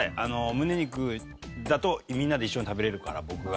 ムネ肉だとみんなで一緒に食べれるから僕が。